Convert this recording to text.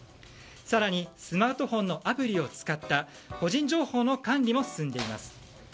更に、スマートフォンのアプリを使った個人情報の管理も進んでいます。